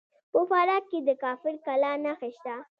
په فراه کې د کافر کلا نښې شته